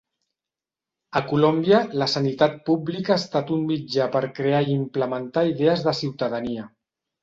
A Colòmbia, la sanitat pública ha estat un mitjà per crear i implementar idees de ciutadania.